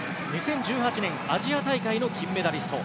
２０１８年、アジア大会の金メダリスト。